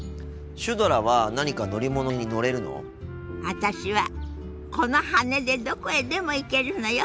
私はこの羽でどこへでも行けるのよ。